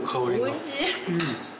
おいしい！